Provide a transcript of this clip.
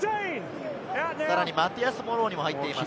マティアス・モローニも入っています。